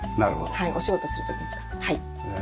はいお仕事する時に使う。